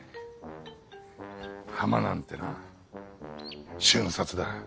ハマなんてな瞬殺だ。